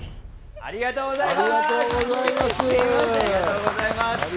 ありがとうございます。